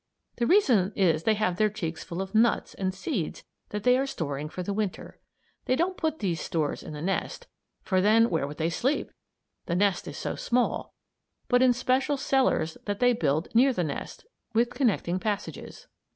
The reason is they have their cheeks full of nuts and seeds that they are storing for the Winter. They don't put these stores in the nest for then where would they sleep, the nest is so small but in special cellars that they build near the nest, with connecting passages.